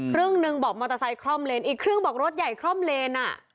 ครึ่งหนึ่งบอกมอเตอร์ไซคล่อมเลนอีกครึ่งบอกรถใหญ่คล่อมเลนอ่ะ